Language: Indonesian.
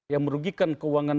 yang merugikan keuangan